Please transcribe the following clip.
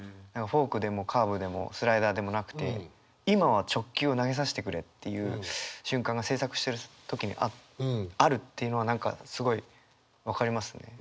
フォークでもカーブでもスライダーでもなくて今は直球を投げさしてくれっていう瞬間が制作してる時にあるっていうのは何かすごい分かりますね。